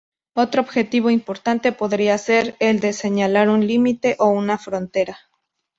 Otro objetivo importante podría ser el de señalar un límite o una frontera.